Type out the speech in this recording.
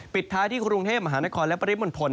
ปิดท้ายที่กรุงเทพมหานครและปริมณฑล